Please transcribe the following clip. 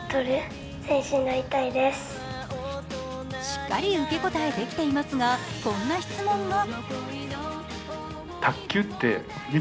しっかり受け答えできていますが、こんな質問が。